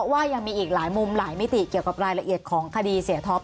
ว่ายังมีอีกหลายมุมหลายมิติเกี่ยวกับรายละเอียดของคดีเสียท็อป